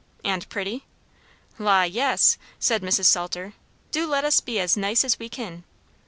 "And pretty?" "La! yes," said Mrs. Salter. "Do let us be as nice as we kin."